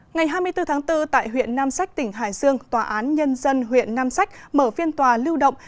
ngày hai mươi bốn tháng bốn tại huyện nam sách tỉnh hải dương tòa án nhân dân huyện nam sách mở phiên tòa lưu động